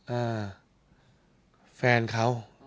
อ่าแฟนเขา